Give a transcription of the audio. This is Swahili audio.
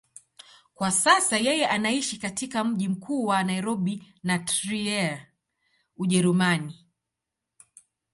Kwa sasa yeye anaishi katika mji mkuu wa Nairobi na Trier, Ujerumani.